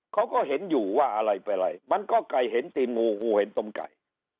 เขาก็เห็นอยู่ว่าอะไรเป็นอะไรมันก็ไก่เห็นตีนงูงูเห็นตมไก่